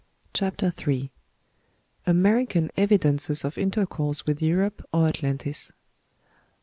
CHAPTER III. AMERICAN EVIDENCES OF INTERCOURSE WITH EUROPE OR ATLANTIS.